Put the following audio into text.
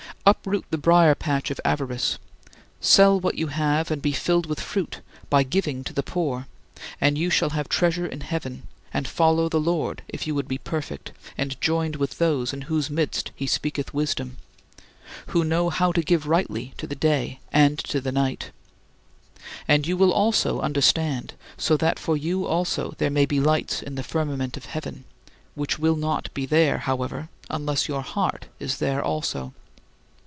uproot the brier patch of avarice; "sell what you have, and be filled with fruit by giving to the poor, and you shall have treasure in heaven; and follow" the Lord if you would be perfect and joined with those in whose midst he speaketh wisdom who know how to give rightly to the day and to the night and you will also understand, so that for you also there may be lights in the firmament of heaven which will not be there, however, unless your heart is there also.